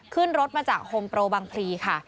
ขึ้นรถมาจากโฮมโปรบังพลีค่ะ